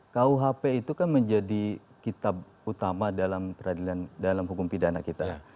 kuhp itu kan menjadi kitab utama dalam peradilan dalam hukum pidana kita